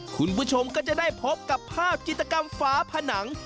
คุณผู้ชมก็จะได้พบกับภาพจิตกรรมฝาผนัง